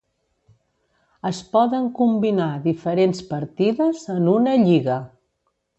Es poden combinar diferents partides en una lliga.